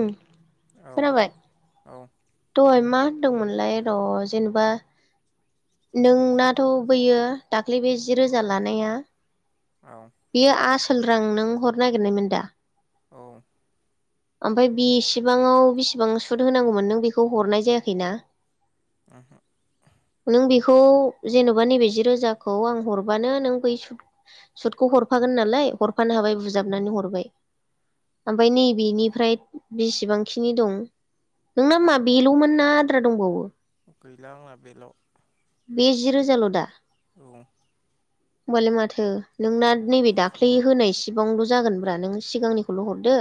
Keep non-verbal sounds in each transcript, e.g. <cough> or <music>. उम औ खोनाबाय। औ दहाय मा होनदोंमोनलाय र' जेनेबा। नोंनाथ' बैयो दाख्लै बे जि रोजा लानाया। औ। बेयो आसोल रां नों हरनो नागिरनायमोन दा। औ। ओमफाय बेसेबांआव बेसिबां सुद होनांगौमोन नों बेखौ हरनाय जायाखैना। ओहो। नों बेखौ जेन'बा नैबे जि रोजाखौ आं हरबानो नों बै सुद। सुटखौ हरफागोन नालाय हरफानो हाबाय बुजाबनानै हरबाय। ओमफाय नैबेनिफ्राय बिसिबांखिनि दं। नोंना मा बेल'मोन ना आद्रा दंबावो? गैला आंना बेल'। बे जि रोजाल' दा। औ। <unintelligible> होमबालाय माथो नोंना नैबे दाख्लै होनायसिबांल' जागोनब्रा नों सिगांनिखौल' हरदो।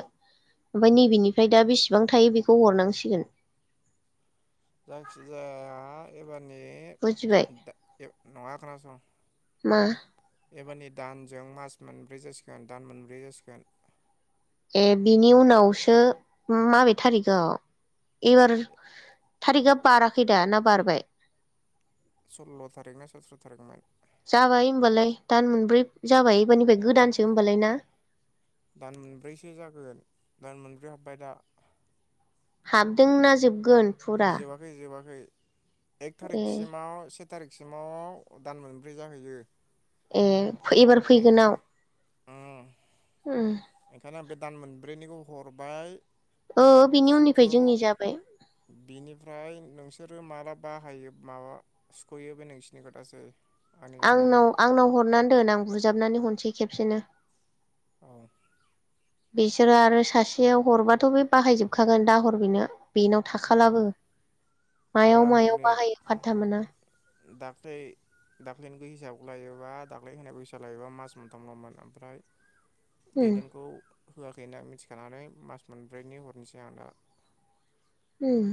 ओमफाय नैबेनिफ्राय दा बेसेबां थायो बेखौ हरनांसिगोन। जायखिजाया। एबारनि बुजिबाय दा नङा खोनासं। मा एबारनि दानजों मास मोनब्रै जासिगोन दान मोनब्रै जासिगोन। ए बिनि उनावसो माबे थारिखआव एबार थारिकआ बाराखै दा ना बारबाय? सल्ल' थारिख ना सथ्र' थारिकमोन। जाबाय होमबालाय दान मोनब्रै जाबाय एबारनिफ्राय गोदानसो होमबालाय ना? दान मोनब्रैसो जागोन दान मोनब्रै हाबबाय दा। हाबदों ना जोबगोन? फुरा जोबाखै जोबाखै एक ए थारिखसिमाव से थारिखसिमाव दान मोनब्रै जाहैयो। ए एबार बे फैगोनाव? उम ओंखायनो आं बे दान मोनब्रैनिखौ हरबाय। औ बिनि उननिफ्राय जोंनि जाबाय। बिनिफ्राय नोंसोरो माला बाहायो माबा सुख'यो बे नोंसिनि खोथासै। आंनि गैला आंनाव बेयाव आंनाव हरनानै दोन आं बुजाबनानै हरसै खेबसेनो। अ बिसोरो आरो सासेया हरबाथ' बे बाहायजोबखागोन दाहर बेनो। बेनाव उम। थाखालाबो आरो मायाव मायाव आंनो बाहायो फाथथा मोना। दाख्लै दाख्लैनि हिसाब लायोबा दाख्लै होनाय हिसाब लायोबा मास मोनथामखौ हमना ला ओमफ्राय उम दैदेनखौ होआखै होनना मिथिखानानै मास मोनब्रैनि हरनोसै आं दा। उम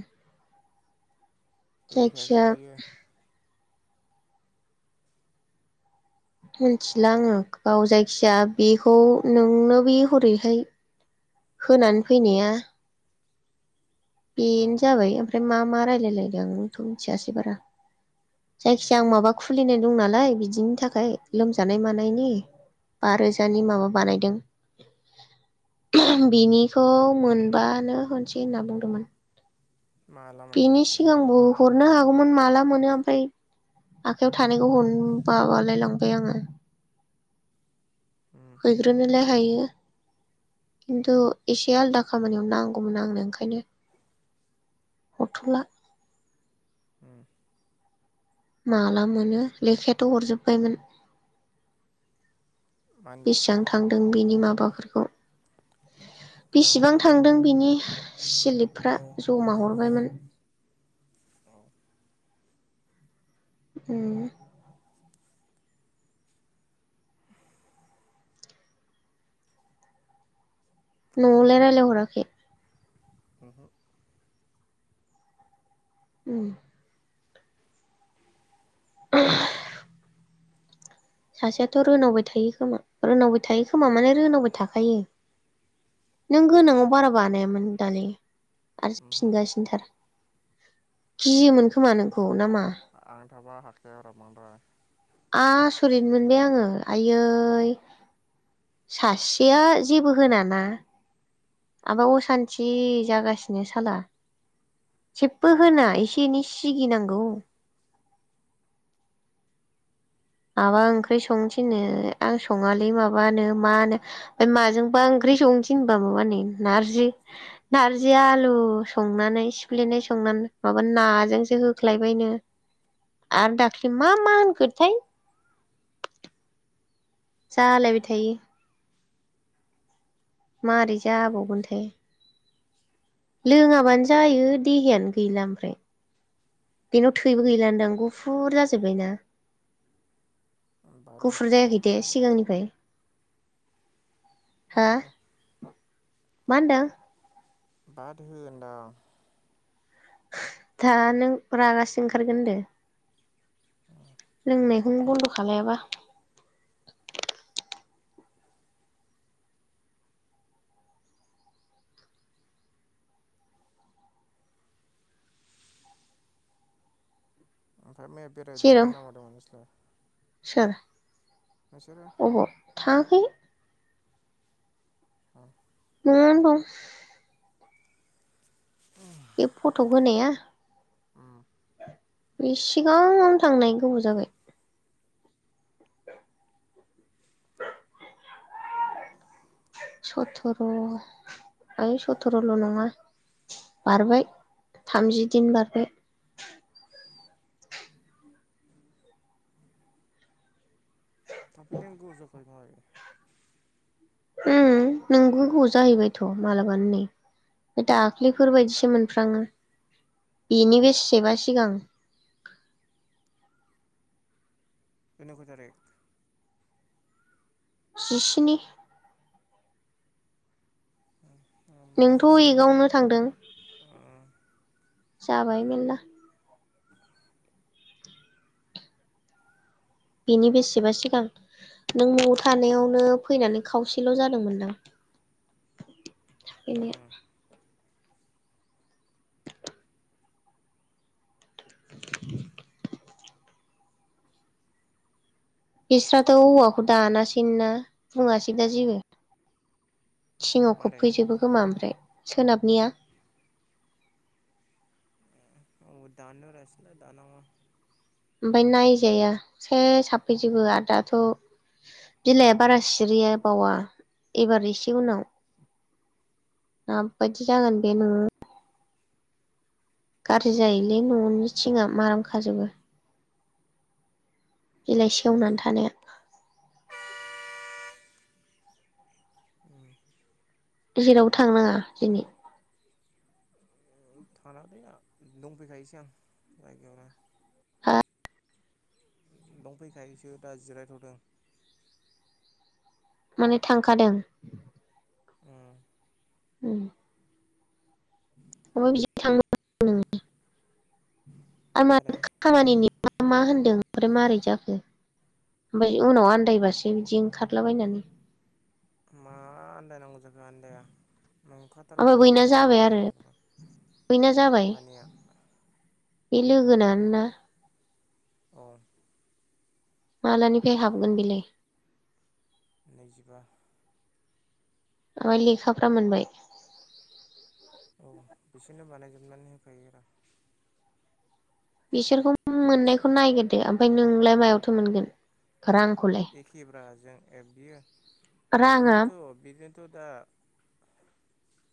होफैखायाखै जायखिया ना इयो मिथिला आङो गाव जायखिया बेखौ नोंनो बे हरैहाय होनानै फैनाया उम बेनो जाबाय ओमफ्राय मा मा रायलायलायदों आंबोथ' मिथियासै बारा। उम जायखिजाया आं माबा खुलिनाय दं नालाय बिदिनि थाखाय लोमजानाय मानायनि। बा रोजानि माबा बानायदों। बिनिखौ मोनबानो होनसै होनना बुंदोंमोन। माला मोनगोन बिनि बेखौलाय सिगांबो हरनो हागौमोन माला मोनो ओमफ्राय आखायाव थानायखौ हरनो बाबालाय लांबाय आङो। उम हैग्रोनोलाय हायो। खिन्थु एसे आलदा खामानियाव नांगौमोन आंनो ओंखायनो हरथ'ला उम माला मोनो लेखायाथ' हरजोब्बायमोन। मानि लेखा बेसेबां थांदों बेनि माबाफोरखौ ओ बेसेबां थांदों बिनि औ सिलिपफ्रा जमा हरबायमोन। औ उम न'आवलाय रायज्लायहराखै? उमहो उम <inaudible> सासेयाथ' रोनावबाय थायो खोमा रोनावबाय थायो खोमा माने रोनावबाय थाखायो। नों गोनाङाव बारा बानायामोन दालाय आरो उमहो फिनगासिनोथार गियोमोन खोमा नोंखौ ना मा? आं थाबा हाखायारा बांद्राय। आसरिथ मोनबाय आङो आयै। सासेया जेबो होनाना। आबा असान्थि जागासिनो साला जेबो होना एसे एनै सिगि नांगौ माबा ओंख्रि संनोथिनो आं सङालै माबानो मानो माजोंबा ओंख्रि संनोथिनबाबो माने नारजि। नारजि आलु संनानै सिफ्लेनाय संनानै माबा नाजोंसो होख्लायबायनो आरो दाख्लै मा मा होनखोथाय जालायबाय थायो। माबोरै जाबावगोन थाय। लोङाबानो जायो देहायानो गैला ओमफ्राय बेनाव थैबो गैला होनदां गुफुर जाजोब्बाय ना? बादो गुफुर जायाखै दे सिगांनिफ्राय, हा बादो मा होनदों? बाद हो होदों आं। दा नों रागासो जोंनो ओंखारगोन होनदों। लोंनायखौनो बन्द' खालायाबा। ओमफ्राय मैया जेराव बेरायदोंमोन नामा दमोन नोंसोलाय। सोर नोंसोरो। अबाव थांहाखै। अ न'आवनो दं। बे फट' होनाया। उम बे सिगां थांनाय गोबाव जाबाय। सथ्र' ओइ सथ्रल' नङा। बारबाय थामजि दिन बारबाय। थाफिन नांगौ <unintelligible> थाबाय। नोंगौ गु जाहैबायथ' मालाबानो नै। दाख्लैफोर बायदिसो मोनफ्राङो बेनि बेसेबा सिगां। होनांगौ जादों। जिस्नि <unintelligible> नोंथ' जिस्नि एगआवनो थांदों उम जाबाय मेरला। बिनि बेसेबा सिगां। नों न'आव थानायावनो फैनानै खावसेल' जादोंमोनदां। फैनाया <unintelligible> <inaudible> बिस्राथ' औवाखौ दानासै ना बुङासै दा जेबो। थिङाव मारै खोबफैजोबो खोमा ओमफ्राय सोनाबनिया। <unintelligible> ओमफाय नायजाया सेस हाफैजोबो आरो दाथ' बिलाइआ बारा सिरिया बावा एबार एसे उनाव मा बादि जागोन बे न' गाज्रि जायोलै न'नि थिङआ माराम खाजोबो बिलाय सेवनानै थानाया उम जेरावबो थांनाङा दिनै? थांनाङालै आं दंफैखायोसै आं जायगायावनो। हां? दंफैखायोसो दा जिरायथ'दों। माने थांखादों? उम ओम- माबा बिदि थांनो मारै <unintelligible> खामानिनि मा मा होनदों ओमफ्राय माबोरै जाखो? आमफ्राय उनाव आनन्दायबासो बिदि ओंखारलाबायनानै मा आन्दायनांगौ जाखो आन्दाया नंखा थारगौ ओमफ्राय बैना बुस्थुखौलाय मानो जाबाय आरो आन्दायनांगौ जाखो बैना जाबाय मानिया बे लोगोनानोना? औ मालानिफ्राय हाबगोन बिलाय। नैजिबा आमफ्राय लेखाफ्रा मोनबाय? औ। बिसोरनो बानायजोबनानै होखायो रा। बिसोरखौ नों मोननायखौ नायग्रोदो आमफाय नोंलाय मायावथो मोनगोन रांखौलाय? एखेब्राजों ए बियो राङा बेनोथ' बेनोथ' दा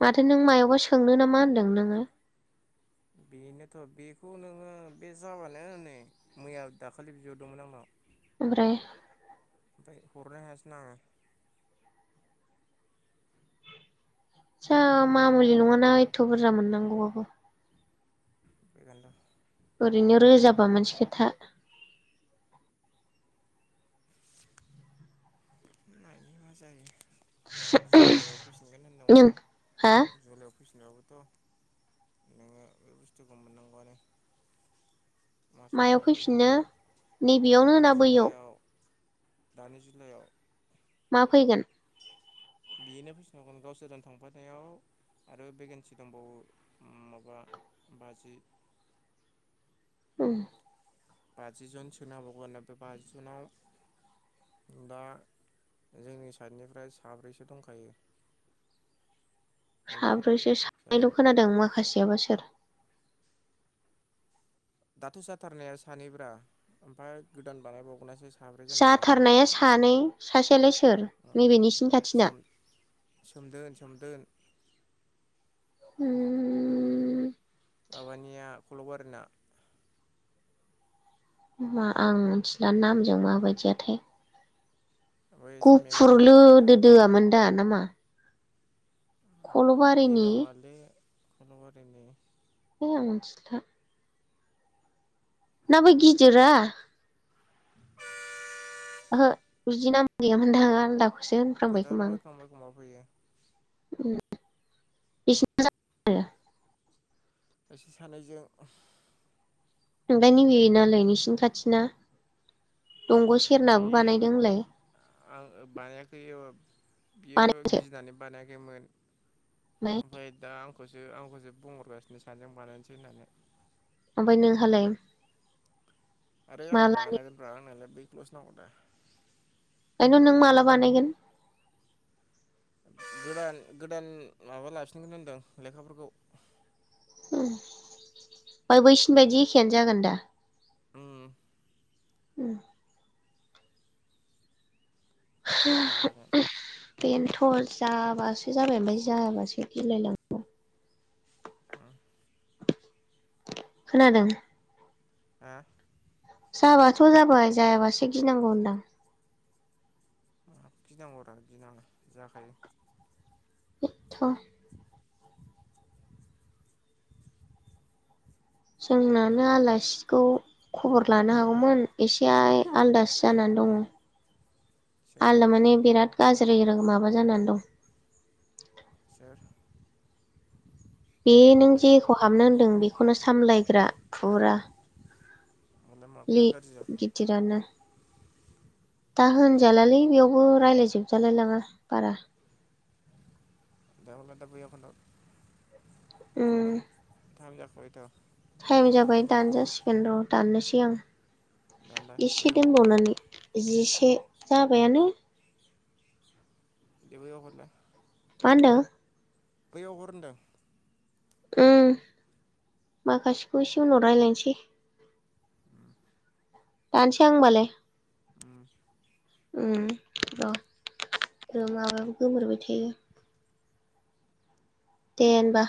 माथो नों मायावबा सोंनो नामा होन्दों नोङो? बेनोथ' बेखौ नोङो बे जाबानो नै मैया दाखालि बिहरदोंमोन आंनाव। आमफ्राय? आमफाय हरनो हायासैना आं सा मामुलि नङाना एथ' बुरजा मोननांगौवाबो। <unintelligible> ओरैनो रोजाबा मोनसे खोथा। नायनि मा जायो जुलाइआव फैफिनगोन होनदोंमोन नों हा जुलाइआव फैफिनबाबोथ' नोङो बै बुस्थुखौ मोननांगौआनो मास मायाव मोनसेनि फैफिननो नैबेयावनो ना गेजेराव बैयाव जुलाइआव दानि जुलायाव मा फैगोन। बेनो फैफिन बावगोन गावसोरजों थांफानायाव आरो भेकेन्सि दंबावो ओम माबा बाजि ओम बाजि जन सोनो हाबावगोन आमफ्राय बाजिजोनाव दा जोंनि साइडनिफ्राय साब्रैसो दंखायो जोंनि साब्रैसो सानैल' जायगानि खोनादों माखासेयाबा सोर। दाथ' जाथारनाया सानै ब्रा ओमफाय गोदान बानायबावनायासो सा जाथारनाया सानै सासेयालाय सोर नैबे नोंसिनि खाथिना? सोमदोन-सोमदोन। ओम माबानिया ख'ल'बारिना। मा आं मिथिला नामजों माबायदियाथाय। ओमफ्राय एसे मेगन गुफुर फिसा फिसाया लोदोदोआ मोनदा नामा? <unintelligible> ए खल'बारिनि नङालै फ'ल'बारिनि। है आं मिथिला। ना बै गिदिरा? ओहो बिदि नाम गैयामोनदां आो आलदाखौसो होनफ्र्लांबाय खोमा फोथाराव आं। एखमबा एखमबा फैयो ओम <unintelligible> एसोर सानैजों। ओमबाय नैबे नालाय नोंसिनि खाथिना दंग' सेरनाबो बियो बानायदों होनलाय? आं बानायाखै इब बियो बानायसो गिनानै बानायाखैमोन। ओमफ्राय ओमफाय दा आंखौसो आंखौसो बुंहरगासिनो सानदों बानायसै होननानै। ओमफाय नोंहालाय? आरे आं मालानि बानायगोनब्रा आंनानैलाय बैखौल'सो नांगौदा। ओंखायथ नों माला बानायगोन? गोदान गोदान माबा लाफिनगोन होनदों लेखाफोरखौ। ओ ओमफ्राय बैसिनि बायदि एखेयानो जागोन दा? ओम उम। हो एखे जागोन ओम बेनोथ' जाबासो जाबाय ओमफ्राय जायाबासो गिलायलाङो। ओम खोनादों? हा? जाबाथ' जाबाय जायाबासो गिनांगौ होनदां। माखौ गिनांगौरा गिनाङा जाखायो। एथ'। जोंनानो आलासिखौ खबर लानो हागौमोन एसे आइ आलदासो जानानै दङ। सोर आलदा मानि बिराद गाज्रिरो माबा जानानै दं। सोर? बे नों जेखौ हाबनो होनदों बेखौनो सामलायग्रा फुरा। मालाय लि माखौथो गाज्रि जाखो गिदिरानो। दा होनजालालै बेयावबो राय्लाय जोबजालाय लाङा बारा। दा हदलाय बैआव खोनथाहर। उम। थाइम जाखाबायथ'। टाइम जाबाय दानजासिगोन र' दाननोसै आं। दानला एसे बैयाव बैयाव दोनबावनानै जिसे जाबायानो। दि बैयाव हरलाय। मा होनदों? बैयाव हर होनदो। उम माखासेखौ एसे उनाव रायजलायनोसै। उम दानसै आं होमबालाय। ओम ओम औ। र' माबायाबो गोमोरबाय थायो। दे होमबा।